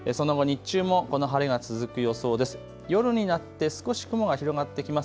その後、日中もこの晴れが続く予想です。